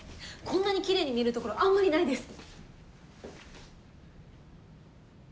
こんなにきれいに見えるところあんまりないです。